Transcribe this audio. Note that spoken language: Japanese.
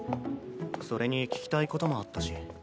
それに聞きたいこともあったし。